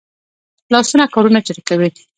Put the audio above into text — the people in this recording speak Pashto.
لاسونه کارونه چټکوي